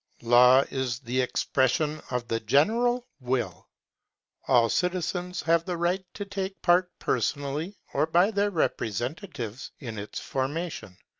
Law is the expression of the general will. All citi zens have the right to take part personally, or by their repre sentatives, in its formation.